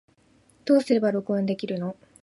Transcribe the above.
どうすれば録音できるの